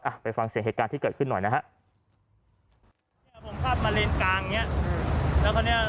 อ่ะไปฟังเสียงเหตุการณ์ที่เกิดขึ้นหน่อยนะฮะขับมาเร่นกลางเนี้ยแล้วก็เนี้ย